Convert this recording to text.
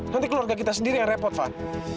nanti keluarga kita sendiri yang repot van